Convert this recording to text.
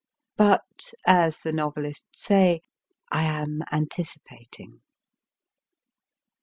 But, as the novelists say, I am anticipating.